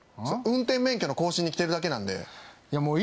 運転免許の更新に来てるだけなんでいや